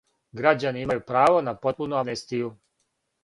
Грађани имају право на потпуну амнестију.